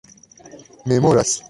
memoras